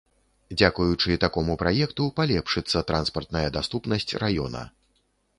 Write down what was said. Дзякуючы такому праекту палепшыцца транспартная даступнасць раёна.